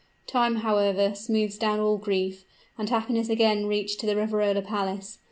Time, however, smooths down all grief; and happiness again returned to the Riverola Palace.